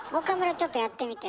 ちょっとやってみて。